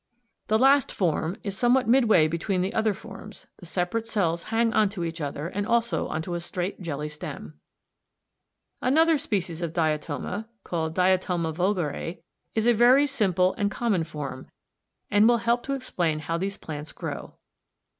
The last form, d, is something midway between the other forms, the separate cells hang on to each other and also on to a straight jelly stem. Another species of Diatoma (Fig. 70) called Diatoma vulgare, is a very simple and common form, and will help to explain how these plants grow.